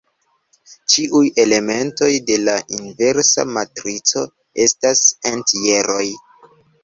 Ĉiuj elementoj de la inversa matrico estas entjeroj.